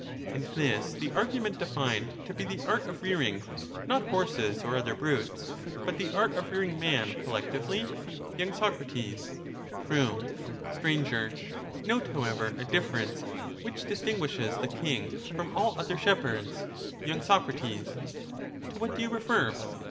And this the argument defined to be the art of rearing, not horses or other brutes, but the art of rearing man collectively ? y. Soc. True. Sir. Note, however, a difference which distinguishes the king from all other shepherds. y. Soc. To what do you refer